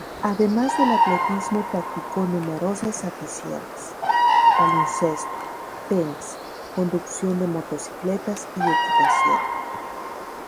Además del atletismo practicó numerosas aficiones: baloncesto, tenis, conducción de motocicletas y equitación.